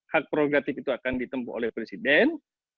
hak progratif itu akan ditempuh oleh presiden